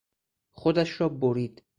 خودش را برید.